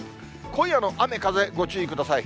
今夜の雨、風ご注意ください。